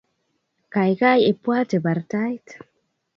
Kaikai ipwat ipar tait